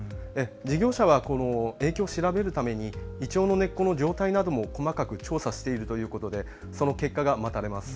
事業者はこの影響を調べるためにイチョウの根っこの状態なども細かく調査しているということでその結果が待たれます。